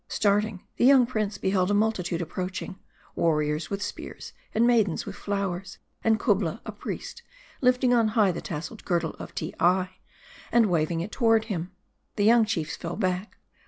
Starting, the young prince beheld a multitude approach ing : warriors with spears, and maidens with flowers ; and Kubla, a priest, lifting tin high the tasseled girdle of Teei, and waving it toward him. The young chiefs fell back.